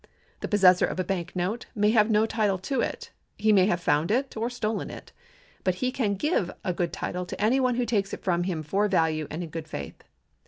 The possessor of a bank note may have no title to it ; he may have found it or stolen it ; but he can give a good title to any one who takes it from him for value and in good faith.